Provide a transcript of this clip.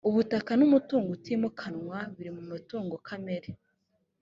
ubutaka n ‘umutungo utimukanwa biri mu mitungo kamere.